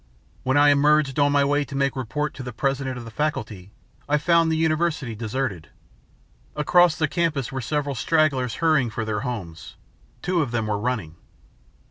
When I emerged, on my way to make report to the President of the Faculty, I found the university deserted. Across the campus were several stragglers hurrying for their homes. Two of them were running.